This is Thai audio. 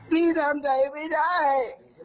พี่ทำใจไม่ได้